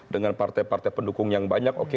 dengan partai partai pendukung yang banyak oke